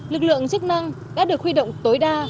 lực lượng chức năng đã được huy động tối đa